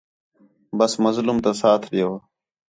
بس مظلوم تا ساتھ ݙیؤ